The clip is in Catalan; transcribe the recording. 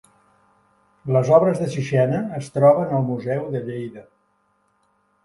Les obres de Sixena es troben al Museu de Lleida